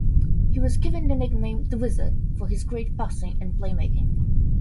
He was given the nickname The Wizard for his great passing and playmaking.